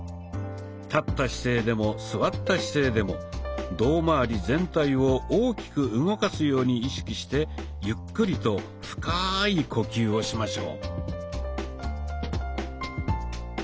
立った姿勢でも座った姿勢でも胴まわり全体を大きく動かすように意識してゆっくりと深い呼吸をしましょう。